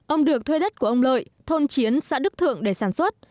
ông được thuê đất của ông lợi thôn chiến xã đức thượng để sản xuất